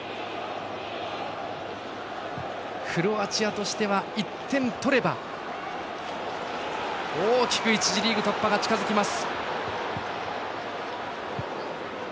クロアチアとしては１点取れば大きく１次リーグ突破が近づきます。